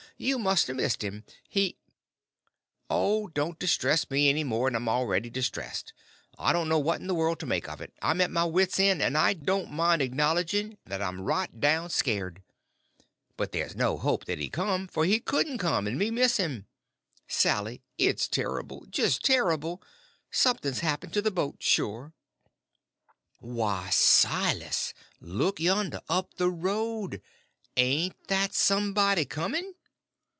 You must a missed him. He—" "Oh, don't distress me any more'n I'm already distressed. I don't know what in the world to make of it. I'm at my wit's end, and I don't mind acknowledging 't I'm right down scared. But there's no hope that he's come; for he couldn't come and me miss him. Sally, it's terrible—just terrible—something's happened to the boat, sure!" "Why, Silas! Look yonder!—up the road!—ain't that somebody coming?"